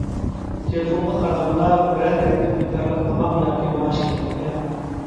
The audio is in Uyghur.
تېلېفونغا قارىغانغا بىرەر يەردىن بىكارلىق تاماق ياكى مائاش كېلەمدىكەن؟